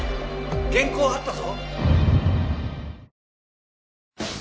原稿あったぞ！